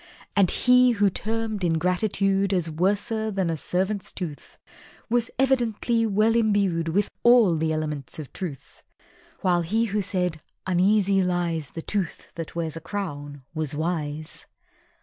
And he who termed Ingratitude As "worser nor a servant's tooth" Was evidently well imbued With all the elements of Truth; (While he who said "Uneasy lies The tooth that wears a crown" was wise).